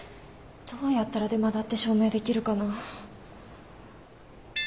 どうやったらデマだって証明できるかな。